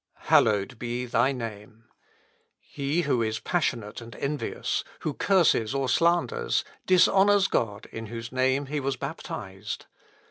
"Hallowed be thy name! He who is passionate and envious, who curses or slanders, dishonours God, in whose name he was baptized.